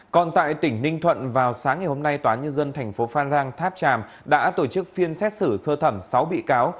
còn tại tỉnh ninh thuận vào sáng ngày hôm nay tòa nhân dân tp phan giang tháp tràm đã tổ chức phiên xét xử sơ thẩm sáu bị cáo